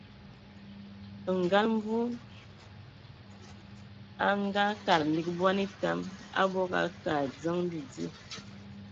Ngal Mvu a ngaakad lig bɔn etam, abog a akǝ a adzǝn bidí.